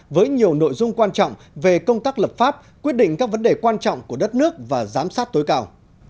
với nhiều nội dung quan trọng về công tác lập pháp quyết định các vấn đề quan trọng của đất nước và giám sát tối cao